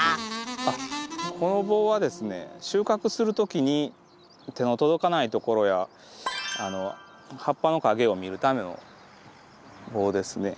あっこの棒はですね収穫する時に手の届かないところや葉っぱの陰を見るための棒ですね。